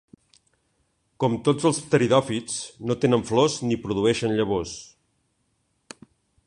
Com tots els pteridòfits, no tenen flors ni produeixen llavors.